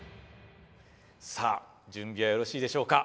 さあ準備はよろしいでしょうか。